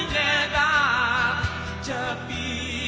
nghe đàn cha pi